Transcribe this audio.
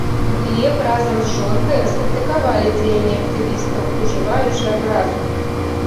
Глеб разам з жонкай раскрытыкавалі дзеянні актывістаў, ужываючы абразу.